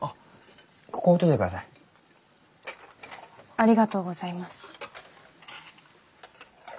ありがとうございます。